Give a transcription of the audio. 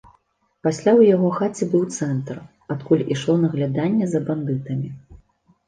Пасля ў яго хаце быў цэнтр, адкуль ішло нагляданне за бандытамі.